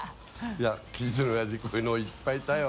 いや近所のおやじこういうのいっぱいいたよ。